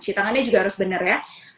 cuci tangannya juga harus benar ya